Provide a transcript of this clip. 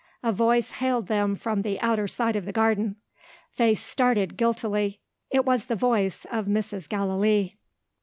A voice hailed them from the outer side of the garden. They started guiltily. It was the voice of Mrs. Gallilee.